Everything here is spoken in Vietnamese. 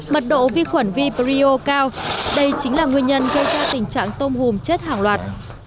mật độ vi khuẩn vi brio cao đây chính là nguyên nhân gây ra tình trạng tôm hùm chết hàng loạt